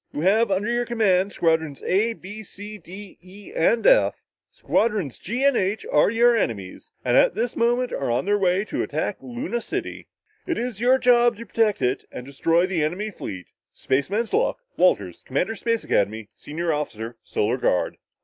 You have under your command, Squadrons A B C D E F. Squadrons G and H are your enemies, and at this moment are on their way to attack Luna City. It is your job to protect it and destroy the enemy fleet. Spaceman's luck! Walters, Commander Space Academy, Senior Officer Solar Guard."